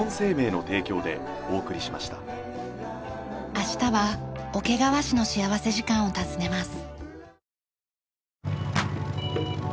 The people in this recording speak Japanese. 明日は桶川市の幸福時間を訪ねます。